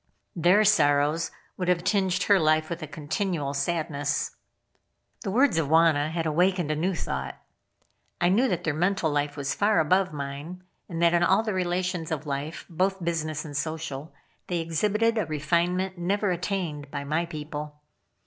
Their sorrows would have tinged her life with a continual sadness. The words of Wauna had awakened a new thought. I knew that their mental life was far above mine, and that in all the relations of life, both business and social, they exhibited a refinement never attained by my people.